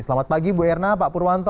selamat pagi bu erna pak purwanto